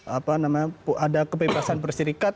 apa namanya ada kebebasan berserikat